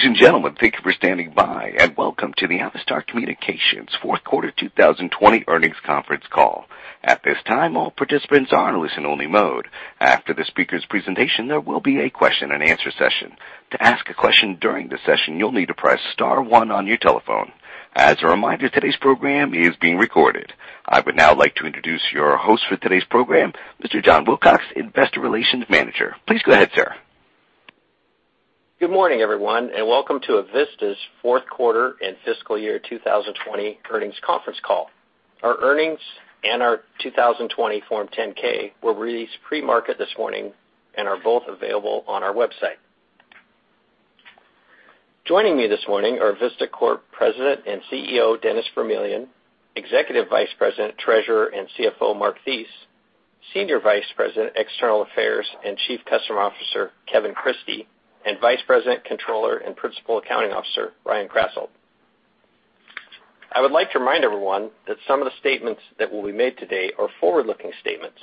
Ladies and gentlemen, thank you for standing by and welcome to the Avista Communications Fourth Quarter 2020 Earnings Conference Call. At this time all participants are in a listen-only mode. After the speaker's presentation, there will be a question-and-answer session. To ask a question during the session, you'll need to press star one on your telephone. As a reminder, today's program is being recorded. I would now like to introduce your host for today's program, Mr. John Wilcox, Investor Relations Manager. Please go ahead, sir. Good morning, everyone, and welcome to Avista's Fourth Quarter and Fiscal Year 2020 Earnings Conference Call. Our earnings and our 2020 Form 10-K were released pre-market this morning and are both available on our website. Joining me this morning are Avista Corp. President and CEO, Dennis Vermillion; Executive Vice President, Treasurer, and CFO, Mark Thies; Senior Vice President, External Affairs, and Chief Customer Officer, Kevin Christie; and Vice President, Controller, and Principal Accounting Officer, Ryan Krasselt. I would like to remind everyone that some of the statements that will be made today are forward-looking statements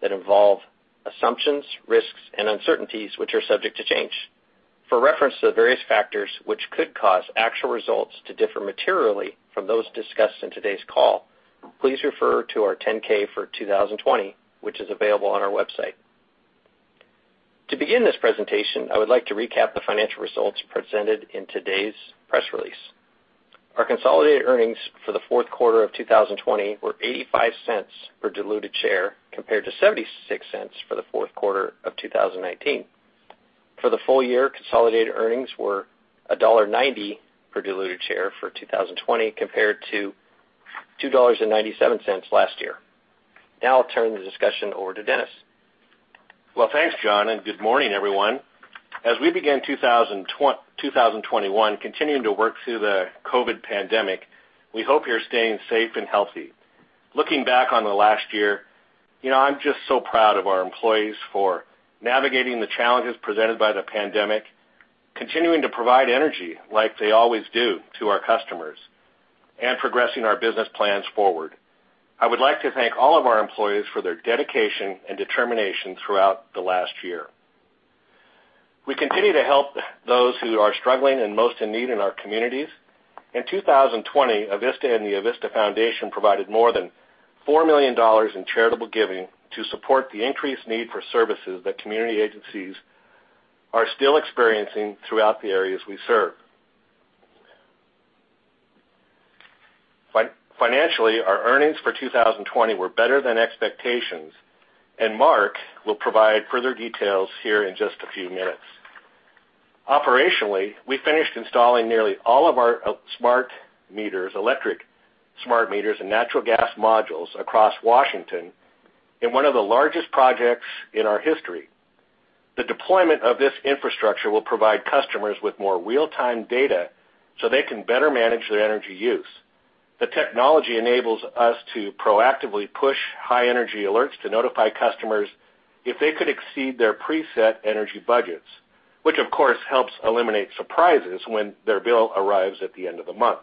that involve assumptions, risks, and uncertainties which are subject to change. For reference to the various factors which could cause actual results to differ materially from those discussed in today's call, please refer to our 10-K for 2020, which is available on our website. To begin this presentation, I would like to recap the financial results presented in today's press release. Our consolidated earnings for the fourth quarter of 2020 were $0.85 per diluted share, compared to $0.76 for the fourth quarter of 2019. For the full year, consolidated earnings were $1.90 per diluted share for 2020, compared to $2.97 last year. Now I'll turn the discussion over to Dennis. Well, thanks, John, and good morning, everyone. As we begin 2021, continuing to work through the COVID pandemic, we hope you're staying safe and healthy. Looking back on the last year, I'm just so proud of our employees for navigating the challenges presented by the pandemic, continuing to provide energy like they always do to our customers, and progressing our business plans forward. I would like to thank all of our employees for their dedication and determination throughout the last year. We continue to help those who are struggling and most in need in our communities. In 2020, Avista and the Avista Foundation provided more than $4 million in charitable giving to support the increased need for services that community agencies are still experiencing throughout the areas we serve. Financially, our earnings for 2020 were better than expectations, and Mark will provide further details here in just a few minutes. Operationally, we finished installing nearly all of our smart meters, electric smart meters, and natural gas modules across Washington in one of the largest projects in our history. The deployment of this infrastructure will provide customers with more real-time data so they can better manage their energy use. The technology enables us to proactively push high energy alerts to notify customers if they could exceed their preset energy budgets, which of course helps eliminate surprises when their bill arrives at the end of the month.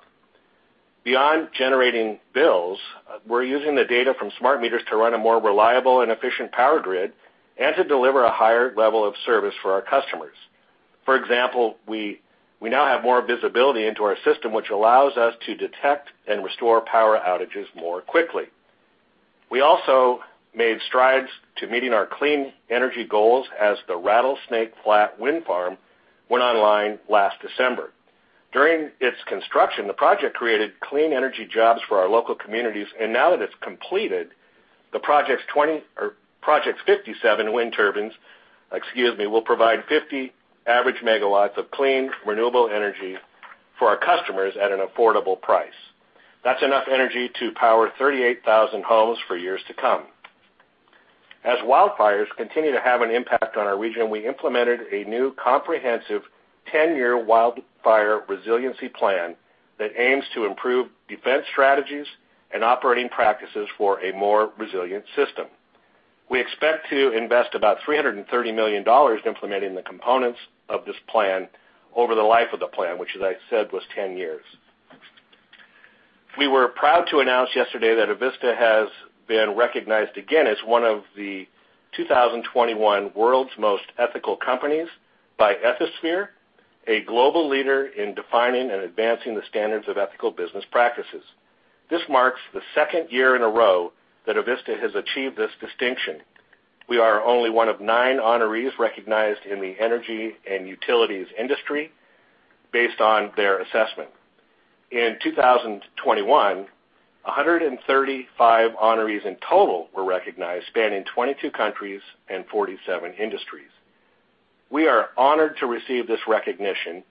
Beyond generating bills, we're using the data from smart meters to run a more reliable and efficient power grid and to deliver a higher level of service for our customers. For example, we now have more visibility into our system, which allows us to detect and restore power outages more quickly. We also made strides to meeting our clean energy goals as the Rattlesnake Flat Wind Farm went online last December. During its construction, the project created clean energy jobs for our local communities, and now that it's completed, the project's 57 wind turbines, excuse me, will provide 50 average megawatts of clean renewable energy for our customers at an affordable price. That's enough energy to power 38,000 homes for years to come. As wildfires continue to have an impact on our region, we implemented a new comprehensive 10-year wildfire resiliency plan that aims to improve defense strategies and operating practices for a more resilient system. We expect to invest about $330 million in implementing the components of this plan over the life of the plan, which, as I said, was 10 years. We were proud to announce yesterday that Avista has been recognized again as one of the 2021 World's Most Ethical Companies by Ethisphere, a global leader in defining and advancing the standards of ethical business practices. This marks the second year in a row that Avista has achieved this distinction. We are only one of nine honorees recognized in the energy and utilities industry based on their assessment. In 2021, 135 honorees in total were recognized, spanning 22 countries and 47 industries. We are honored to receive this recognition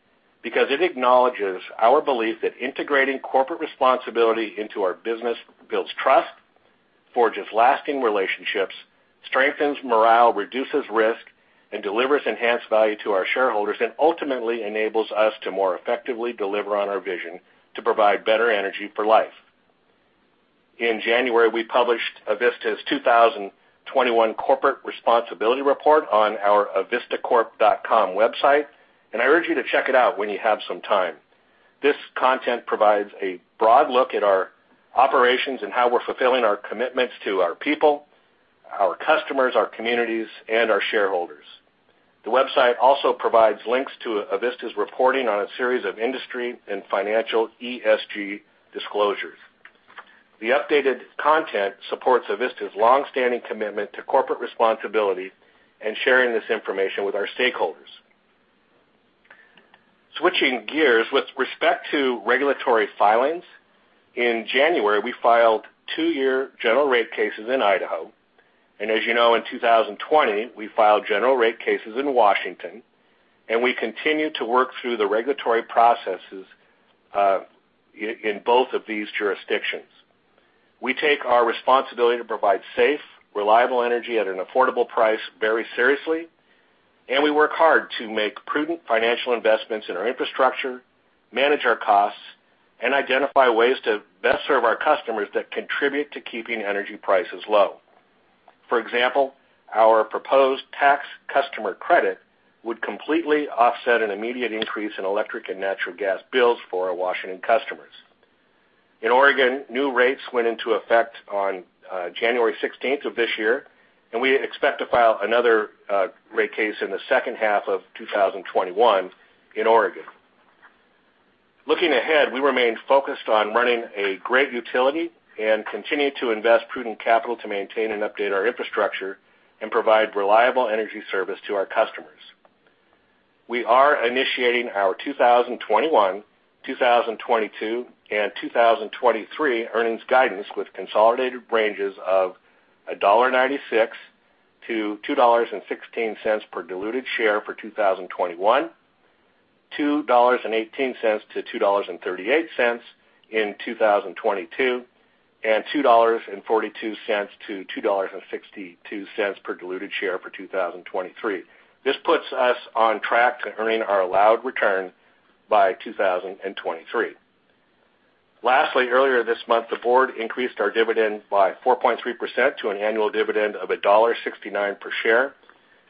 because it acknowledges our belief that integrating corporate responsibility into our business builds trust, forges lasting relationships, strengthens morale, reduces risk, and delivers enhanced value to our shareholders, and ultimately enables us to more effectively deliver on our vision to provide better energy for life. In January, we published Avista's 2021 corporate responsibility report on our avistacorp.com website, and I urge you to check it out when you have some time. This content provides a broad look at our operations and how we're fulfilling our commitments to our people, our customers, our communities, and our shareholders. The website also provides links to Avista's reporting on a series of industry and financial ESG disclosures. The updated content supports Avista's longstanding commitment to corporate responsibility and sharing this information with our stakeholders. Switching gears, with respect to regulatory filings, in January, we filed two-year general rate cases in Idaho, and as you know, in 2020, we filed general rate cases in Washington, and we continue to work through the regulatory processes in both of these jurisdictions. We take our responsibility to provide safe, reliable energy at an affordable price very seriously, and we work hard to make prudent financial investments in our infrastructure, manage our costs, and identify ways to best serve our customers that contribute to keeping energy prices low. For example, our proposed tax customer credit would completely offset an immediate increase in electric and natural gas bills for our Washington customers. In Oregon, new rates went into effect on January 16th of this year, and we expect to file another rate case in the second half of 2021 in Oregon. Looking ahead, we remain focused on running a great utility and continue to invest prudent capital to maintain and update our infrastructure and provide reliable energy service to our customers. We are initiating our 2021, 2022, and 2023 earnings guidance with consolidated ranges of $1.96-$2.16 per diluted share for 2021, $2.18-$2.38 in 2022, and $2.42-$2.62 per diluted share for 2023. This puts us on track to earning our allowed return by 2023. Lastly, earlier this month, the board increased our dividend by 4.3% to an annual dividend of $1.69 per share.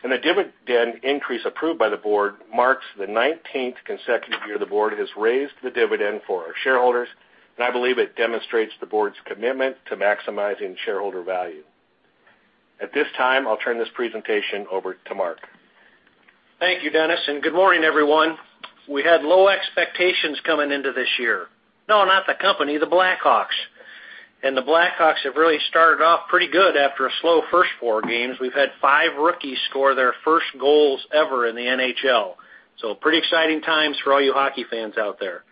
The dividend increase approved by the board marks the 19th consecutive year the board has raised the dividend for our shareholders, and I believe it demonstrates the board's commitment to maximizing shareholder value. At this time, I'll turn this presentation over to Mark. Thank you, Dennis, and good morning, everyone. We had low expectations coming into this year. Not the company, the Blackhawks. The Blackhawks have really started off pretty good after a slow first four games. We've had five rookies score their first goals ever in the NHL. Pretty exciting times for all you hockey fans out there.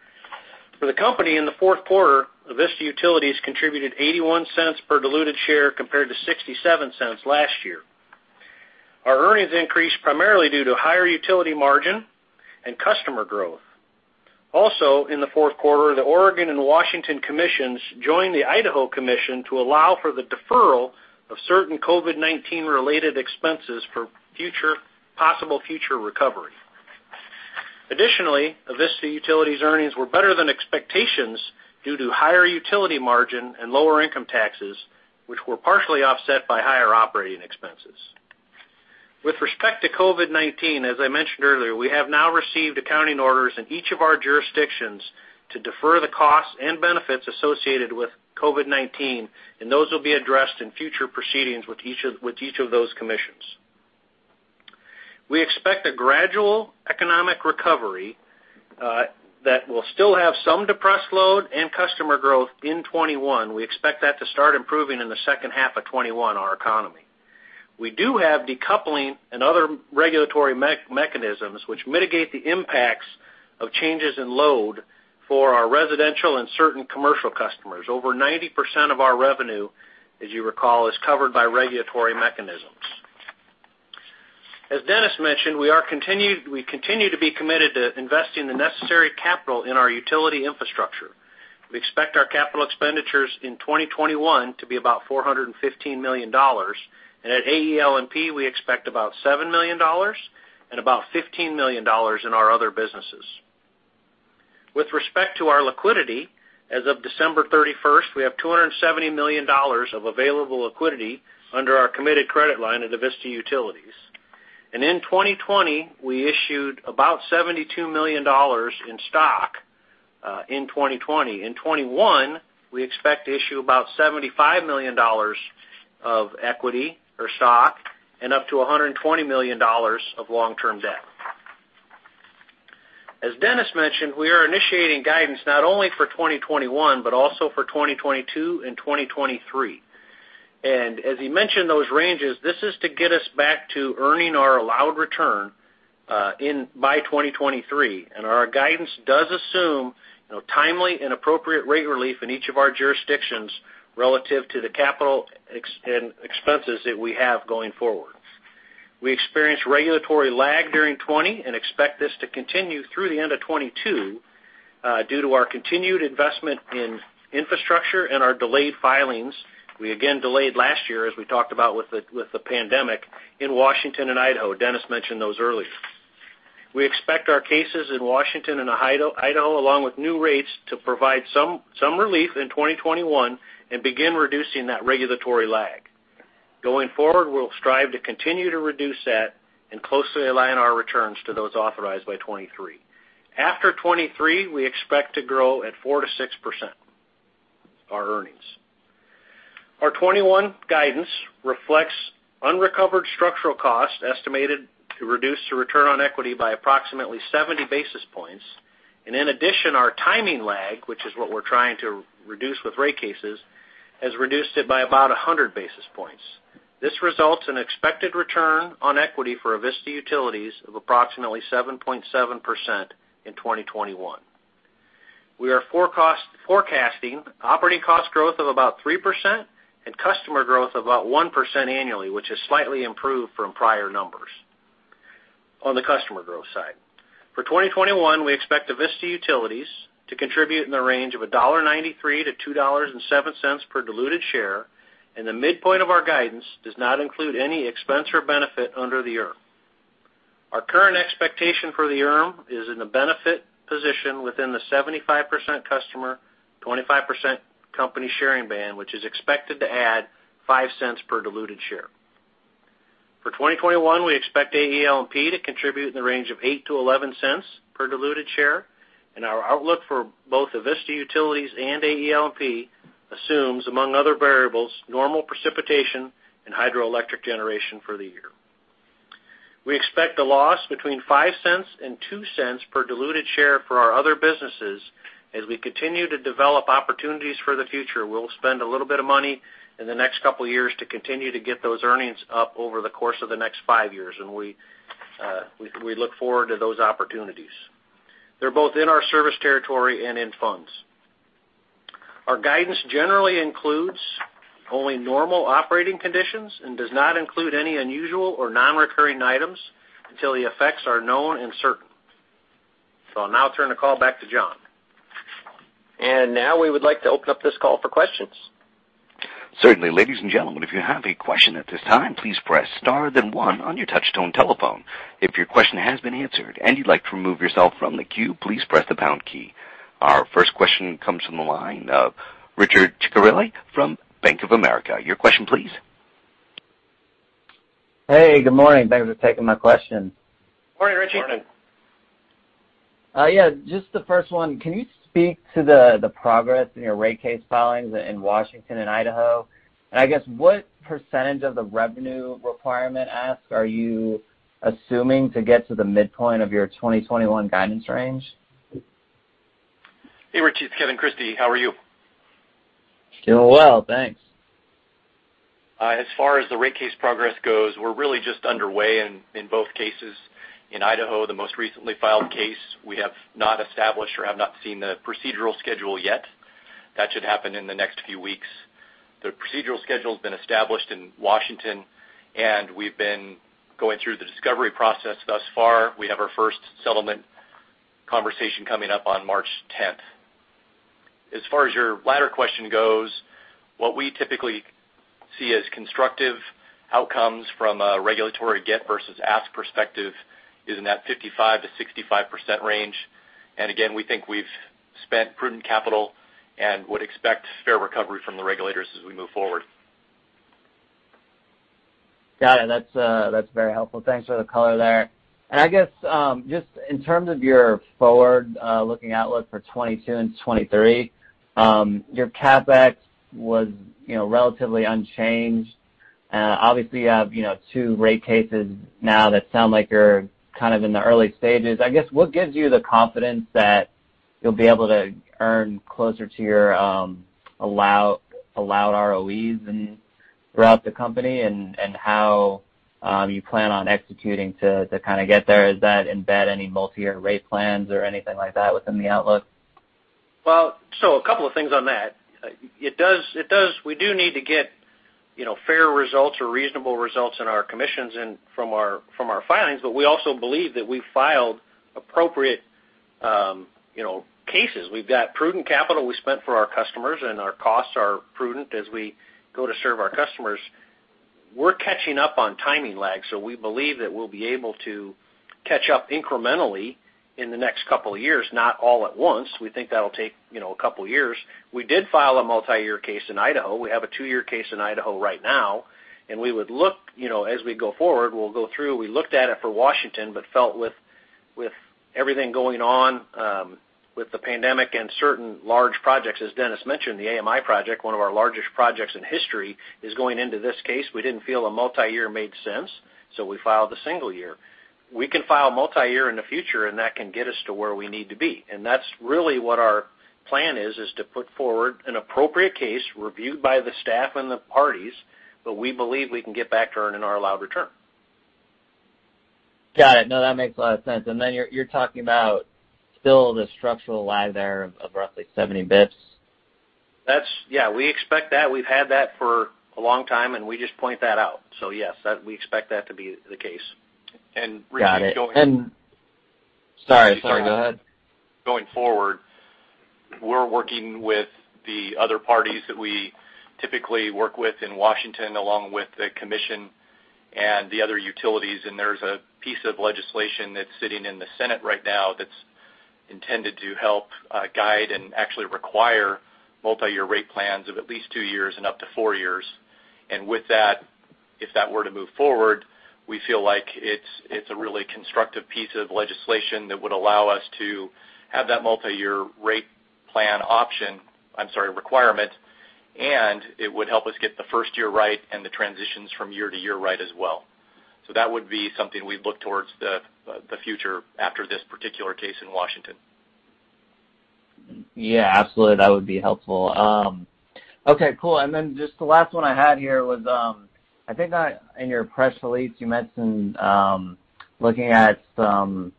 For the company in the fourth quarter, Avista Utilities contributed $0.81 per diluted share compared to $0.67 last year. Our earnings increased primarily due to higher utility margin and customer growth. Also, in the fourth quarter, the Oregon and Washington Commissions joined the Idaho Commission to allow for the deferral of certain COVID-19-related expenses for future, possible future recovery. Additionally, Avista Utilities' earnings were better than expectations due to higher utility margin and lower income taxes, which were partially offset by higher operating expenses. With respect to COVID-19, as I mentioned earlier, we have now received accounting orders in each of our jurisdictions to defer the costs and benefits associated with COVID-19, and those will be addressed in future proceedings with each of those commissions. We expect a gradual economic recovery that will still have some depressed load and customer growth in 2021. We expect that to start improving in the second half of 2021, our economy. We do have decoupling and other regulatory mechanisms which mitigate the impacts of changes in load for our residential and certain commercial customers. Over 90% of our revenue, as you recall, is covered by regulatory mechanisms. As Dennis mentioned, we continue to be committed to investing the necessary capital in our utility infrastructure. We expect our capital expenditures in 2021 to be about $415 million. At AEL&P, we expect about $7 million and about $15 million in our other businesses. With respect to our liquidity, as of December 31st, we have $270 million of available liquidity under our committed credit line at Avista Utilities. In 2020, we issued about $72 million in stock in 2020. In 2021, we expect to issue about $75 million of equity or stock and up to $120 million of long-term debt. As Dennis mentioned, we are initiating guidance not only for 2021, but also for 2022 and 2023. As he mentioned those ranges, this is to get us back to earning our allowed return by 2023. Our guidance does assume timely and appropriate rate relief in each of our jurisdictions relative to the capital ex- and expenses that we have going forward. We experienced regulatory lag during 2020 and expect this to continue through the end of 2022 due to our continued investment in infrastructure and our delayed filings. We again delayed last year, as we talked about with the, with the pandemic in Washington and Idaho. Dennis mentioned those earlier. We expect our cases in Washington and Idaho, along with new rates to provide some relief in 2021 and begin reducing that regulatory lag. Going forward, we'll strive to continue to reduce that and closely align our returns to those authorized by 2023. After 2023, we expect to grow at 4%-6%. Our earnings. Our 2021 guidance reflects unrecovered structural costs estimated to reduce the return on equity by approximately 70 basis points. In addition, our timing lag, which is what we're trying to reduce with rate cases, has reduced it by about 100 basis points. This results in expected return on equity for Avista Utilities of approximately 7.7% in 2021. We are forecasting operating cost growth of about 3% and customer growth of about 1% annually, which is slightly improved from prior numbers on the customer growth side. For 2021, we expect Avista Utilities to contribute in the range of $1.93-$2.07 per diluted share, and the midpoint of our guidance does not include any expense or benefit under the ERM. Our current expectation for the ERM is in the benefit position within the 75% customer, 25% company sharing band, which is expected to add $0.05 per diluted share. For 2021, we expect AEL&P to contribute in the range of $0.08-$0.11 per diluted share, and our outlook for both Avista Utilities and AEL&P assumes, among other variables, normal precipitation and hydroelectric generation for the year. We expect a loss between $0.05 and $0.02 per diluted share for our other businesses. As we continue to develop opportunities for the future, we'll spend a little bit of money in the next couple of years to continue to get those earnings up over the course of the next five years, and we look forward to those opportunities. They're both in our service territory and in funds. Our guidance generally includes only normal operating conditions and does not include any unusual or non-recurring items until the effects are known and certain. I'll now turn the call back to John. Now we would like to open up this call for questions. Certainly. Ladies and gentlemen, if you have a question at this time, please press star then one on your touchtone telephone. If your question has been answered and you'd like to remove yourself from the queue, please press the pound key. Our first question comes from the line of Richard Ciciarelli from Bank of America. Your question, please. Hey, good morning. Thanks for taking my question. Morning, Richie. Morning. Yeah, just the first one. Can you speak to the progress in your rate case filings in Washington and Idaho? I guess what percentage of the revenue requirement ask are you assuming to get to the midpoint of your 2021 guidance range? Hey, Richie. It's Kevin Christie. How are you? Doing well. Thanks. As far as the rate case progress goes, we're really just underway in both cases. In Idaho, the most recently filed case, we have not established or have not seen the procedural schedule yet. That should happen in the next few weeks. The procedural schedule's been established in Washington, and we've been going through the discovery process thus far. We have our first settlement conversation coming up on March 10th. As far as your latter question goes, what we typically see as constructive outcomes from a regulatory get versus ask perspective is in that 55%-65% range. Again, we think we've spent prudent capital and would expect fair recovery from the regulators as we move forward. Got it. That's very helpful. Thanks for the color there. I guess, just in terms of your forward-looking outlook for 2022 and 2023, your CapEx was relatively unchanged. Obviously, you have two rate cases now that sound like you're kind of in the early stages. I guess, what gives you the confidence that you'll be able to earn closer to your allowed ROEs throughout the company, and how you plan on executing to kind of get there? Is that embed any multi-year rate plans or anything like that within the outlook? A couple of things on that. We do need to get fair results or reasonable results in our commissions and from our filings, but we also believe that we filed appropriate cases. We've got prudent capital we spent for our customers, and our costs are prudent as we go to serve our customers. We're catching up on timing lags, so we believe that we'll be able to catch up incrementally in the next couple of years, not all at once. We think that'll take a couple of years. We did file a multi-year case in Idaho. We have a two-year case in Idaho right now, and we would look as we go forward, we'll go through. We looked at it for Washington, but felt with everything going on with the pandemic and certain large projects, as Dennis Vermillion mentioned, the AMI project, one of our largest projects in history, is going into this case. We didn't feel a multi-year made sense, so we filed a single year. We can file multi-year in the future. That can get us to where we need to be. That's really what our plan is to put forward an appropriate case reviewed by the staff and the parties, but we believe we can get back to earning our allowed return. Got it. No, that makes a lot of sense. You're talking about still the structural lag there of roughly 70 basis points. Yeah, we expect that. We've had that for a long time. We just point that out. Yes, we expect that to be the case. Richie. Got it. Sorry, go ahead. Going forward, we're working with the other parties that we typically work with in Washington, along with the commission and the other utilities, there's a piece of legislation that's sitting in the Senate right now that's intended to help guide and actually require multi-year rate plans of at least two years and up to four years. If that were to move forward, we feel like it's a really constructive piece of legislation that would allow us to have that multi-year rate plan option, I'm sorry, requirement, and it would help us get the first year right and the transitions from year to year right as well. So that would be something we'd look towards the future after this particular case in Washington. Yeah, absolutely. That would be helpful. Okay, cool. Then just the last one I had here was, I think that in your press release, you mentioned looking at some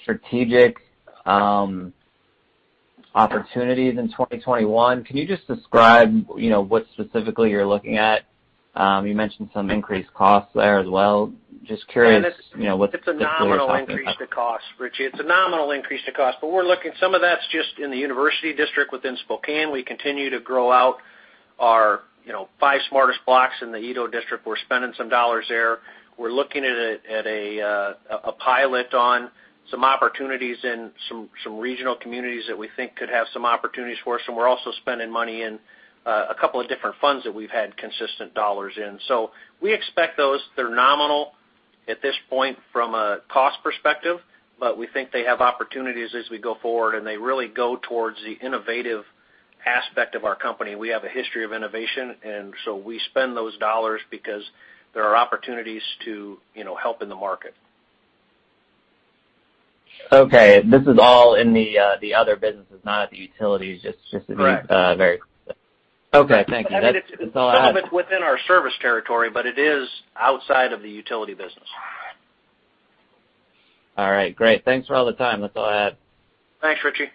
strategic opportunities in 2021. Can you just describe what specifically you're looking at? You mentioned some increased costs there as well. Just curious. It's a nominal increase to cost, Richie. It's a nominal increase to cost. We're looking, some of that's just in the University District within Spokane. We continue to grow out our five smartest blocks in the Eco-District. We're spending some dollars there. We're looking at a pilot on some opportunities in some regional communities that we think could have some opportunities for us, and we're also spending money in a couple of different funds that we've had consistent dollars in. We expect those. They're nominal at this point from a cost perspective, but we think they have opportunities as we go forward, and they really go towards the innovative aspect of our company. We have a history of innovation, and so we spend those dollars because there are opportunities to help in the market. Okay. This is all in the other businesses, not at the utilities. Correct. Okay. Thank you. That's all I had. It's a little bit within our service territory, but it is outside of the utility business. All right. Great. Thanks for all the time. That's all I had. Thanks, Richie.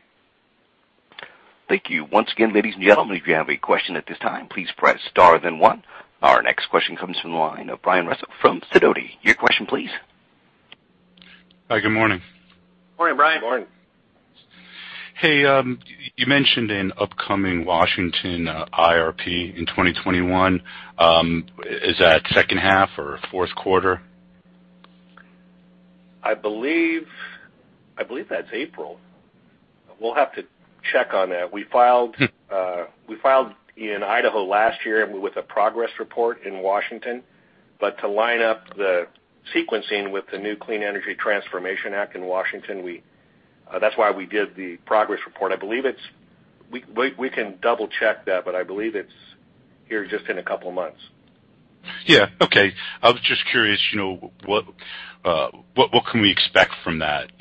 Thank you once again, ladies and gentlemen, if you have a question at this time, please press star then one. Our next question comes from the line of Brian Russo from Sidoti. Your question, please. Hi, good morning. Morning, Brian. Morning. Hey, you mentioned an upcoming Washington IRP in 2021. Is that second half or fourth quarter? I believe that's April. We'll have to check on that. We filed in Idaho last year with a progress report in Washington. To line up the sequencing with the new Clean Energy Transformation Act in Washington, that's why we did the progress report. We can double-check that, I believe it's here just in a couple of months. Yeah. Okay. I was just curious what can we expect from that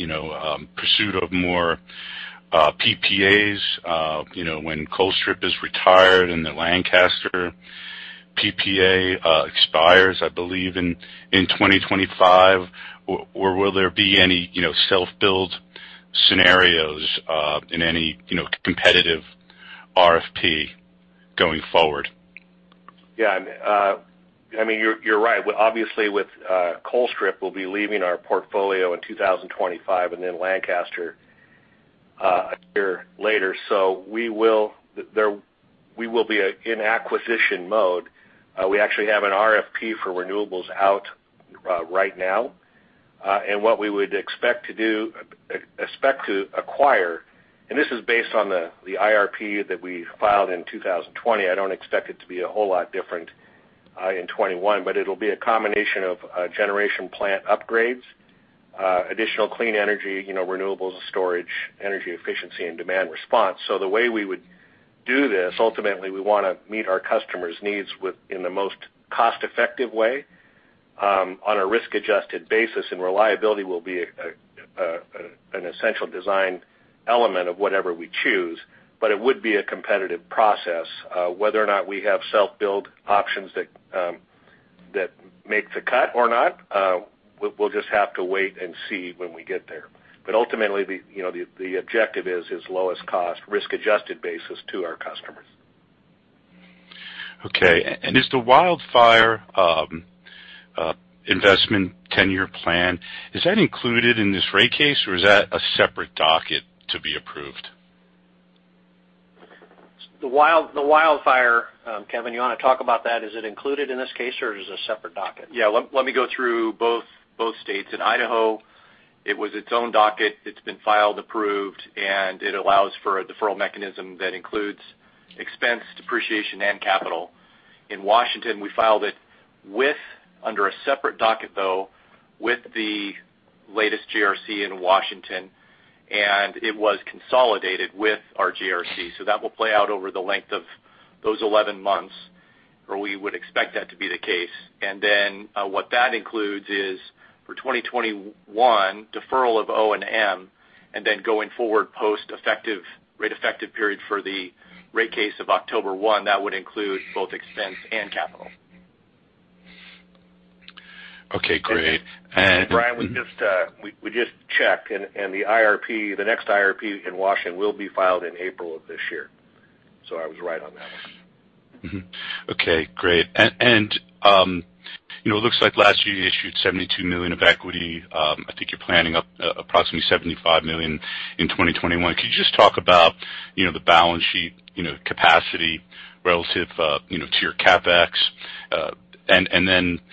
pursuit of more PPAs when Colstrip is retired and that Lancaster PPA expires, I believe, in 2025? Will there be any self-build scenarios in any competitive RFP going forward? Yeah. You're right. Obviously, with Colstrip will be leaving our portfolio in 2025 and then Lancaster a year later. We will be in acquisition mode. We actually have an RFP for renewables out right now. What we would expect to acquire, and this is based on the IRP that we filed in 2020. I don't expect it to be a whole lot different in 2021. It'll be a combination of generation plant upgrades, additional clean energy, renewables, storage, energy efficiency, and demand response. The way we would do this, ultimately, we want to meet our customers' needs in the most cost-effective way on a risk-adjusted basis, and reliability will be an essential design element of whatever we choose. It would be a competitive process. Whether or not we have self-build options that makes the cut or not, we'll just have to wait and see when we get there. Ultimately, the objective is lowest cost, risk-adjusted basis to our customers. Okay. Is the wildfire investment 10-year plan, is that included in this rate case, or is that a separate docket to be approved? The wildfire, Kevin, you want to talk about that? Is it included in this case or is it a separate docket? Let me go through both states. In Idaho, it was its own docket. It's been filed, approved, and it allows for a deferral mechanism that includes expense, depreciation, and capital. In Washington, we filed it under a separate docket, though, with the latest GRC in Washington, and it was consolidated with our GRC. That will play out over the length of those 11 months, or we would expect that to be the case. What that includes is, for 2021, deferral of O&M, and then going forward post rate effective period for the rate case of October 1, that would include both expense and capital. Okay, great. Brian, we just checked, and the next IRP in Washington will be filed in April of this year. I was right on that one. Okay, great. It looks like last year you issued $72 million of equity. I think you're planning approximately $75 million in 2021. Could you just talk about the balance sheet capacity relative to your CapEx? The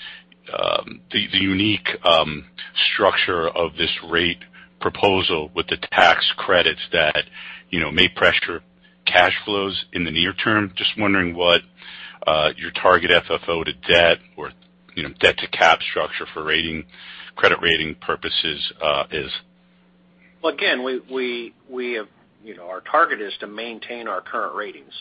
unique structure of this rate proposal with the tax credits that may pressure cash flows in the near term. Just wondering what your target FFO to debt or debt to cap structure for credit rating purposes is. Well, again, our target is to maintain our current ratings.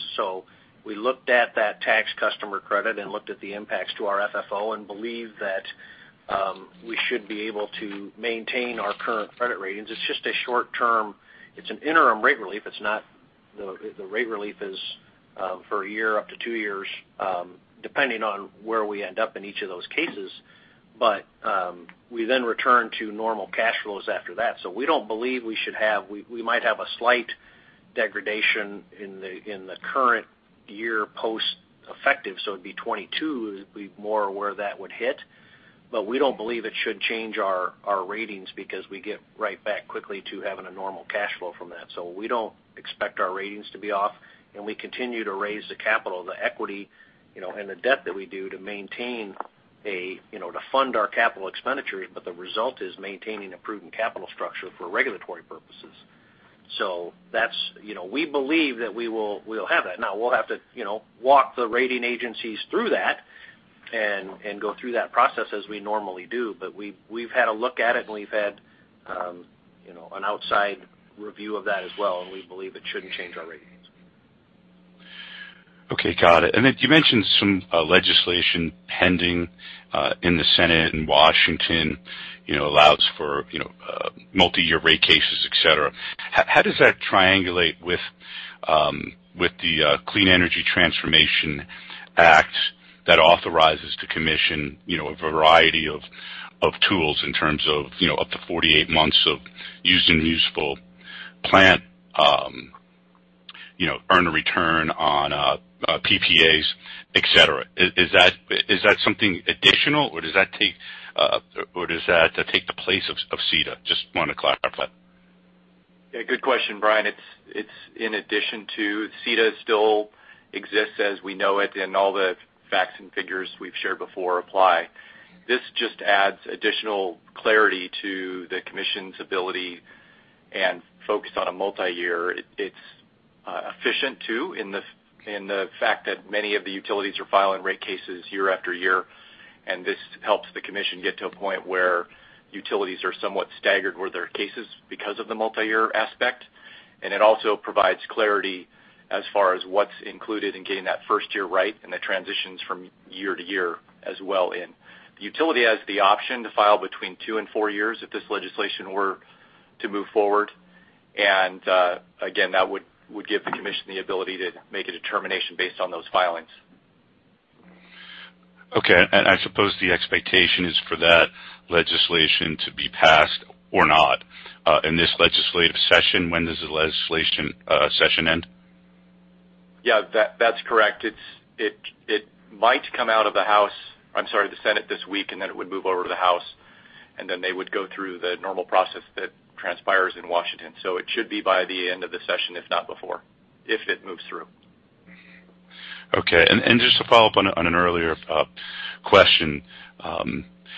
We looked at that tax customer credit and looked at the impacts to our FFO and believe that we should be able to maintain our current credit ratings. It's just a short term. It's an interim rate relief. The rate relief is for a year up to two years, depending on where we end up in each of those cases. We then return to normal cash flows after that. We might have a slight degradation in the current year post effective. It'd be 2022 would be more where that would hit. We don't believe it should change our ratings because we get right back quickly to having a normal cash flow from that. We don't expect our ratings to be off, and we continue to raise the capital, the equity, and the debt that we do to fund our capital expenditures. The result is maintaining a prudent capital structure for regulatory purposes. We believe that we'll have that. Now we'll have to walk the rating agencies through that and go through that process as we normally do. We've had a look at it and we've had an outside review of that as well, and we believe it shouldn't change our ratings. Okay. Got it. Then you mentioned some legislation pending in the Senate in Washington allows for multi-year rate cases, et cetera. How does that triangulate with the Clean Energy Transformation Act that authorizes to commission a variety of tools in terms of up to 48 months of used and useful plant, earn a return on PPAs, et cetera? Is that something additional or does that take the place of CETA? Just want to clarify. Yeah, good question, Brian. It's in addition to CETA still exists as we know it, and all the facts and figures we've shared before apply. This just adds additional clarity to the commission's ability and focus on a multi-year. It's efficient too in the fact that many of the utilities are filing rate cases year after year, and this helps the commission get to a point where utilities are somewhat staggered with their cases because of the multi-year aspect. It also provides clarity as far as what's included in getting that first year right and the transitions from year to year as well. The utility has the option to file between two and four years if this legislation were to move forward. Again, that would give the commission the ability to make a determination based on those filings. Okay, and I suppose the expectation is for that legislation to be passed or not in this legislative session. When does the legislation session end? Yeah, that's correct. It might come out of the Senate this week. Then it would move over to the House. Then they would go through the normal process that transpires in Washington. It should be by the end of the session, if not before, if it moves through. Okay. Just to follow up on an earlier question,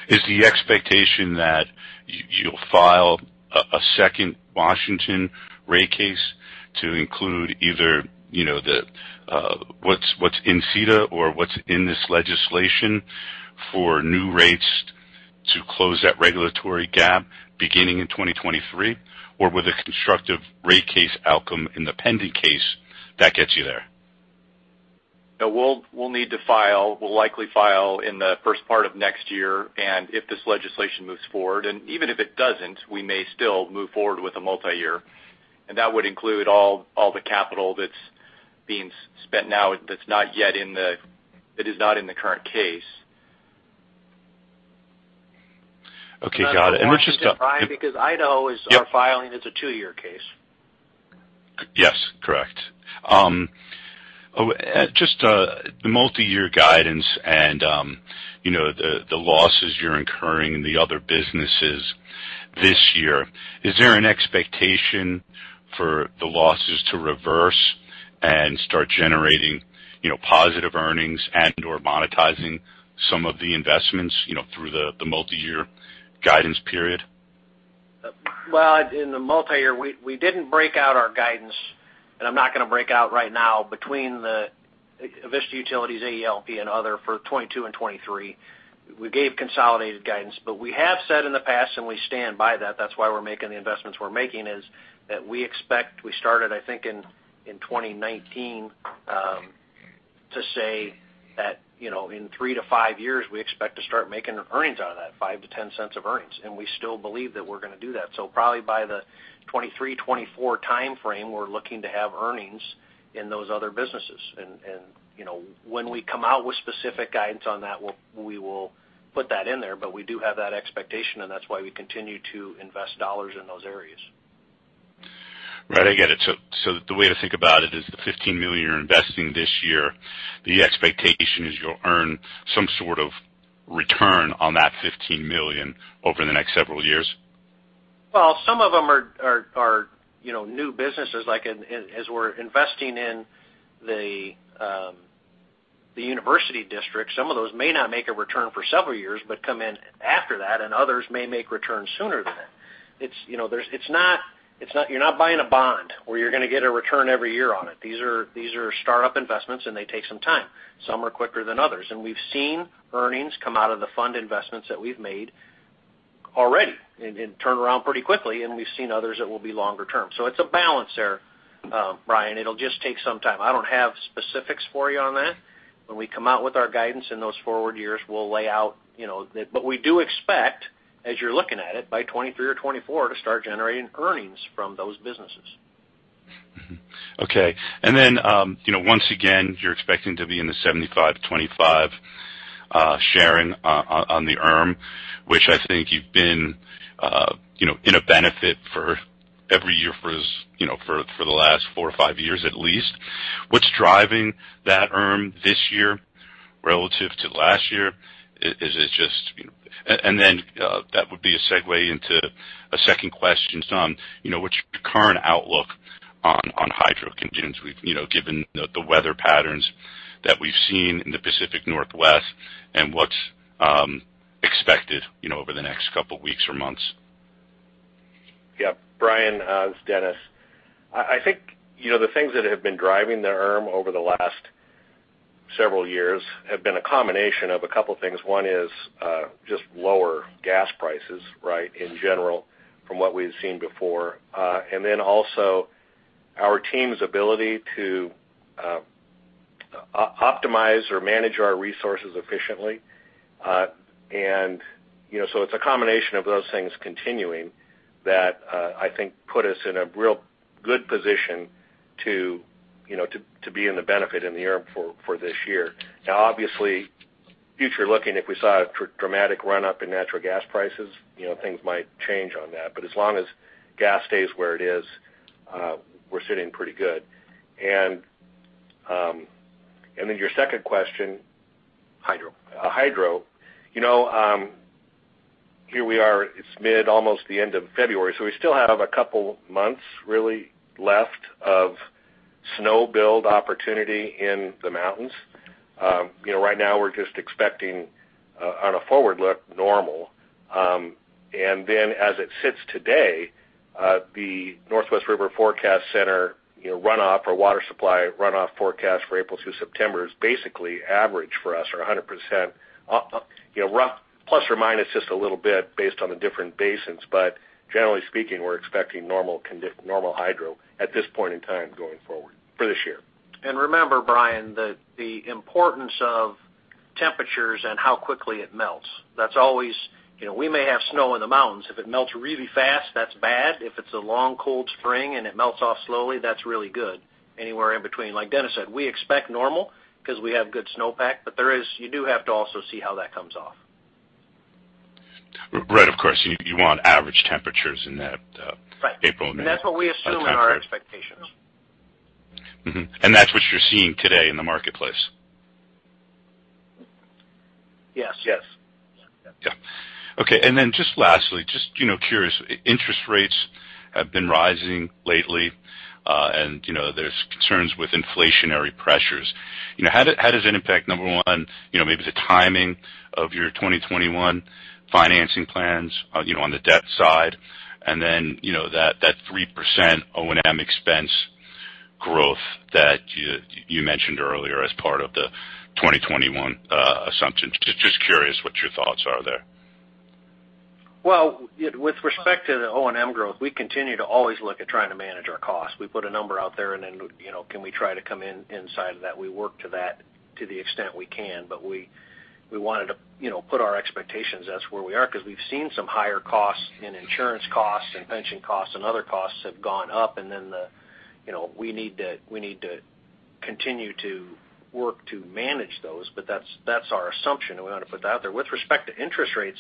is the expectation that you'll file a second Washington rate case to include either what's in CETA or what's in this legislation for new rates to close that regulatory gap beginning in 2023? Or with a constructive rate case outcome in the pending case, that gets you there? No, we'll need to file. We'll likely file in the first part of next year. If this legislation moves forward, and even if it doesn't, we may still move forward with a multi-year, and that would include all the capital that's being spent now that is not in the current case. Okay. Got it. Brian, because Idaho is our filing. It's a two-year case. Yes, correct. Just the multi-year guidance and the losses you're incurring in the other businesses this year, is there an expectation for the losses to reverse and start generating positive earnings and/or monetizing some of the investments through the multi-year guidance period? Well, in the multi-year, we didn't break out our guidance, and I'm not going to break out right now between the Avista Utilities, AEL&P, and other for 2022 and 2023. We gave consolidated guidance, but we have said in the past, and we stand by that's why we're making the investments we're making, is that we expect we started, I think, in 2019 to say that in three to five years, we expect to start making earnings out of that, $0.05-$0.10 of earnings. We still believe that we're going to do that. Probably by the 2023, 2024 timeframe, we're looking to have earnings in those other businesses. When we come out with specific guidance on that, we will put that in there. We do have that expectation, and that's why we continue to invest dollars in those areas. Right. I get it. The way to think about it is the $15 million you're investing this year, the expectation is you'll earn some sort of return on that $15 million over the next several years? Some of them are new businesses. As we're investing in the University District, some of those may not make a return for several years but come in after that, and others may make returns sooner than that. You're not buying a bond where you're going to get a return every year on it. These are startup investments, and they take some time. Some are quicker than others. We've seen earnings come out of the fund investments that we've made already and turn around pretty quickly, and we've seen others that will be longer term. It's a balance there, Brian. It'll just take some time. I don't have specifics for you on that. When we come out with our guidance in those forward years, we'll lay out. We do expect, as you're looking at it, by 2023 or 2024 to start generating earnings from those businesses. Okay. Once again, you're expecting to be in the 75/25 sharing on the ERM, which I think you've been in a benefit for every year for the last four or five years at least. What's driving that ERM this year relative to last year? That would be a segue into a second question. What's your current outlook on hydro concerns, given the weather patterns that we've seen in the Pacific Northwest and what's expected over the next couple of weeks or months? Yep. Brian, it's Dennis. I think the things that have been driving the ERM over the last several years have been a combination of a couple of things. One is just lower gas prices in general from what we had seen before. Also our team's ability to optimize or manage our resources efficiently. It's a combination of those things continuing that I think put us in a real good position to be in the benefit in the ERM for this year. Now, obviously, future looking, if we saw a dramatic run-up in natural gas prices, things might change on that. As long as gas stays where it is, we're sitting pretty good. Your second question. Hydro. Hydro. Here we are, it's almost the end of February. We still have a couple months really left of snow build opportunity in the mountains. Right now we're just expecting on a forward look, normal. As it sits today, the Northwest River Forecast Center runoff or water supply runoff forecast for April through September is basically average for us or 100%, plus or minus just a little bit based on the different basins. Generally speaking, we're expecting normal hydro at this point in time going forward for this year. Remember, Brian, the importance of temperatures and how quickly it melts. We may have snow in the mountains. If it melts really fast, that's bad. If it's a long, cold spring and it melts off slowly, that's really good. Anywhere in between. Like Dennis said, we expect normal because we have good snowpack, but you do have to also see how that comes off. Right. Of course, you want average temperatures in that April, May time frame. Right. That's what we assume in our expectations. That's what you're seeing today in the marketplace? Yes. Yes. Okay. Just lastly, just curious. Interest rates have been rising lately, and there's concerns with inflationary pressures. How does it impact, number one, maybe the timing of your 2021 financing plans on the debt side? That 3% O&M expense growth that you mentioned earlier as part of the 2021 assumption. Just curious what your thoughts are there. With respect to the O&M growth, we continue to always look at trying to manage our costs. We put a number out there and then can we try to come in inside of that? We work to that to the extent we can. We wanted to put our expectations as where we are because we've seen some higher costs in insurance costs and pension costs and other costs have gone up. We need to continue to work to manage those. That's our assumption, and we want to put that out there. With respect to interest rates,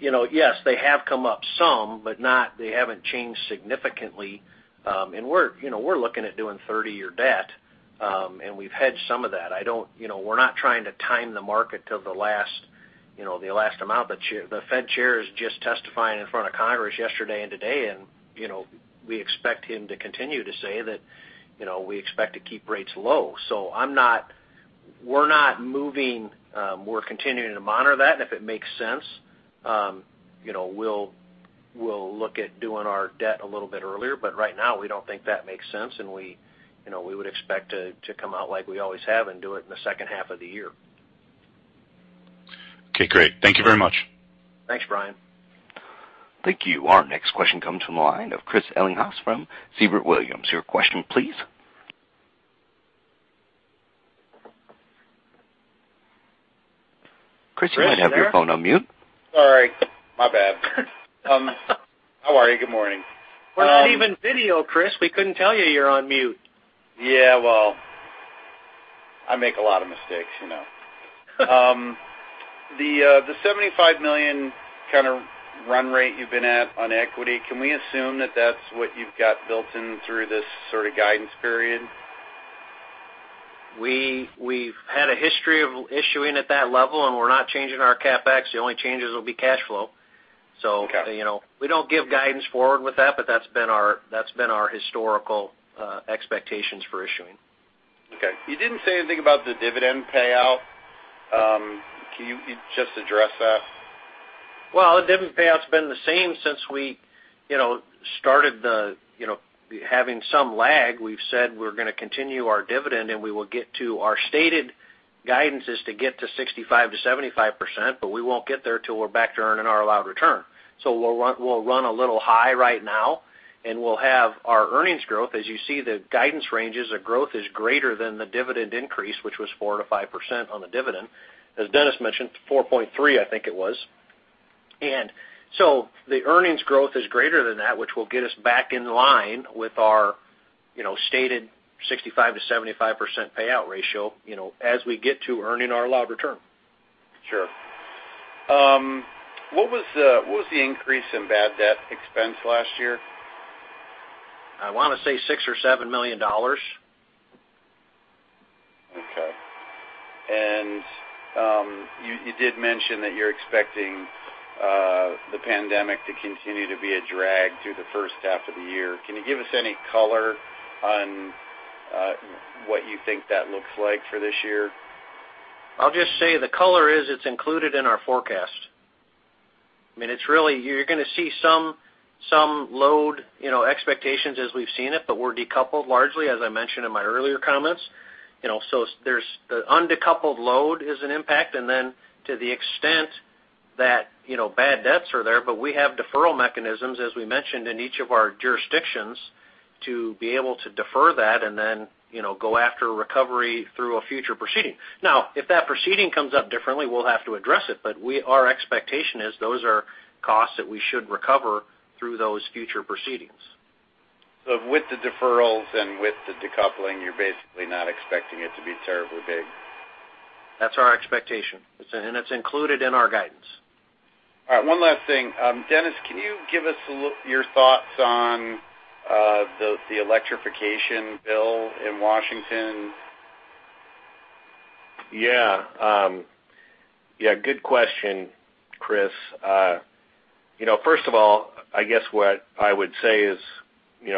yes, they have come up some, but they haven't changed significantly. We're looking at doing 30-year debt, and we've hedged some of that. We're not trying to time the market till the last amount. The Fed chair is just testifying in front of Congress yesterday and today, and we expect him to continue to say that we expect to keep rates low. We're not moving. We're continuing to monitor that, and if it makes sense, we'll look at doing our debt a little bit earlier. Right now we don't think that makes sense, and we would expect to come out like we always have and do it in the second half of the year. Okay, great. Thank you very much. Thanks, Brian. Thank you. Our next question comes from the line of Chris Ellinghaus from Siebert Williams. Your question, please. Chris, you might have your phone on mute. Sorry. My bad. How are you? Good morning. We're not even video, Chris. We couldn't tell you you're on mute. Yeah, well, I make a lot of mistakes. The $75 million kind of run rate you've been at on equity, can we assume that that's what you've got built in through this sort of guidance period? We've had a history of issuing at that level, and we're not changing our CapEx. The only changes will be cash flow. Okay. We don't give guidance forward with that, but that's been our historical expectations for issuing. Okay. You didn't say anything about the dividend payout. Can you just address that? Well, the dividend payout's been the same since we started having some lag. We've said we're going to continue our dividend, and we will get to our stated guidance is to get to 65%-75%, but we won't get there till we're back to earning our allowed return. We'll run a little high right now, and we'll have our earnings growth. As you see, the guidance ranges of growth is greater than the dividend increase, which was 4%-5% on the dividend. As Dennis mentioned, 4.3%, I think it was. The earnings growth is greater than that, which will get us back in line with our stated 65%-75% payout ratio as we get to earning our allowed return. Sure. What was the increase in bad debt expense last year? I want to say $6 million-$7 million. Okay. You did mention that you're expecting the pandemic to continue to be a drag through the first half of the year. Can you give us any color on what you think that looks like for this year? I'll just say the color is it's included in our forecast. You're going to see some load expectations as we've seen it, but we're decoupled largely, as I mentioned in my earlier comments. The un-decoupled load is an impact, and then to the extent that bad debts are there, but we have deferral mechanisms, as we mentioned, in each of our jurisdictions to be able to defer that and then go after a recovery through a future proceeding. Now, if that proceeding comes up differently, we'll have to address it, but our expectation is those are costs that we should recover through those future proceedings. With the deferrals and with the decoupling, you're basically not expecting it to be terribly big. That's our expectation, and it's included in our guidance. All right, one last thing. Dennis, can you give us your thoughts on the electrification bill in Washington? Good question, Chris. First of all, I guess what I would say is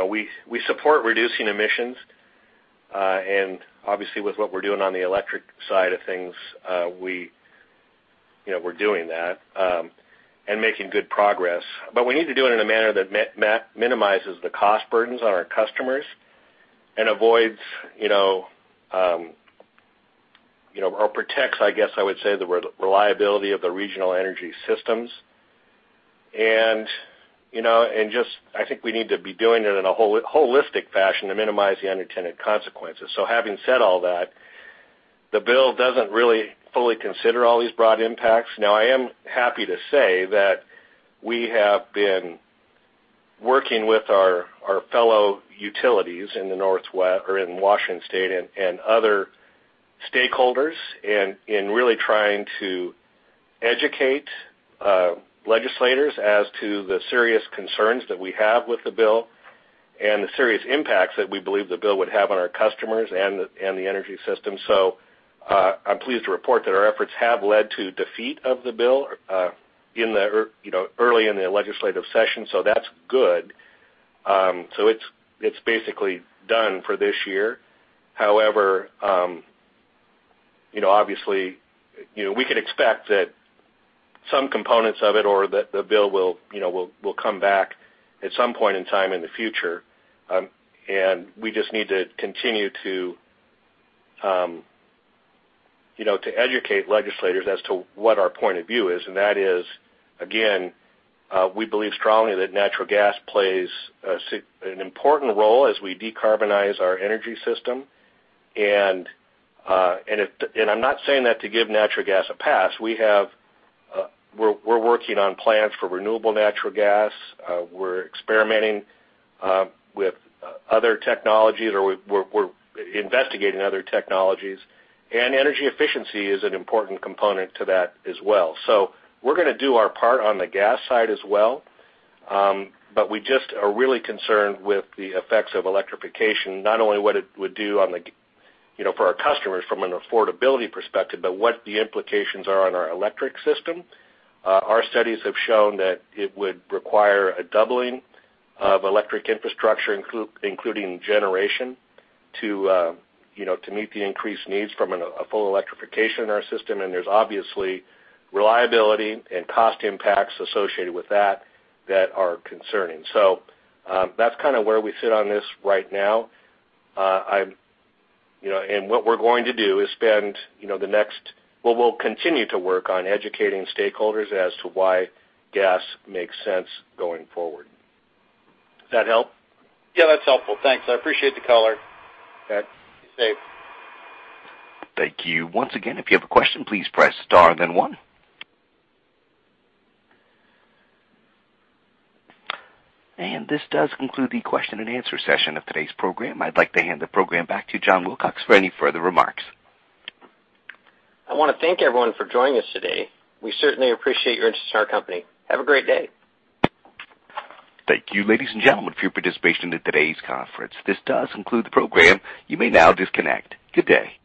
we support reducing emissions. Obviously, with what we're doing on the electric side of things, we're doing that and making good progress. We need to do it in a manner that minimizes the cost burdens on our customers and protects, I guess I would say, the reliability of the regional energy systems. I think we need to be doing it in a holistic fashion to minimize the unintended consequences. Having said all that, the bill doesn't really fully consider all these broad impacts. Now I am happy to say that we have been working with our fellow utilities in Washington state and other stakeholders in really trying to educate legislators as to the serious concerns that we have with the bill and the serious impacts that we believe the bill would have on our customers and the energy system. I'm pleased to report that our efforts have led to defeat of the bill early in the legislative session. That's good. It's basically done for this year. However, obviously, we could expect that some components of it or that the bill will come back at some point in time in the future. We just need to continue to educate legislators as to what our point of view is. That is, again, we believe strongly that natural gas plays an important role as we decarbonize our energy system. I'm not saying that to give natural gas a pass. We're working on plans for renewable natural gas. We're experimenting with other technologies, or we're investigating other technologies, and energy efficiency is an important component to that as well. We're going to do our part on the gas side as well, but we just are really concerned with the effects of electrification, not only what it would do for our customers from an affordability perspective, but what the implications are on our electric system. Our studies have shown that it would require a doubling of electric infrastructure, including generation, to meet the increased needs from a full electrification in our system, and there's obviously reliability and cost impacts associated with that that are concerning. That's kind of where we sit on this right now. What we're going to do is we'll continue to work on educating stakeholders as to why gas makes sense going forward. Does that help? Yeah, that's helpful. Thanks. I appreciate the color. Okay. Be safe. Thank you. Once again, if you have a question, please press star then one. This does conclude the question and answer session of today's program. I'd like to hand the program back to John Wilcox for any further remarks. I want to thank everyone for joining us today. We certainly appreciate your interest in our company. Have a great day. Thank you, ladies and gentlemen, for your participation in today's conference. This does conclude the program. You may now disconnect. Good day.